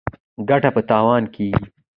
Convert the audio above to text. ـ ګټه په تاوان کېږي.